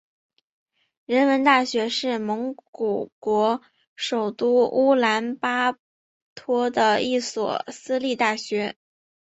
人文大学是蒙古国首都乌兰巴托的一所私立大学。